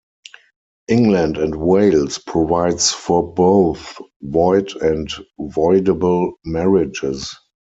England and Wales provides for both void and voidable marriages.